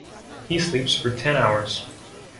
He sleeps for ten hours.